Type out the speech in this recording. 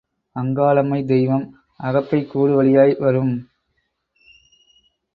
அங்காளம்மைத் தெய்வம் அகப்பைக் கூடு வழியாய் வரும்.